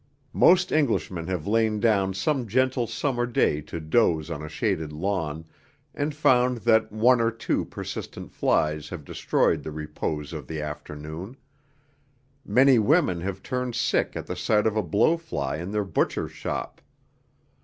Most Englishmen have lain down some gentle summer day to doze on a shaded lawn and found that one or two persistent flies have destroyed the repose of the afternoon; many women have turned sick at the sight of a blowfly in their butcher's shop.